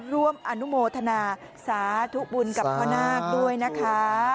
ร่วมอนุโมทนาสาธุบุญกับพ่อนาคด้วยนะคะ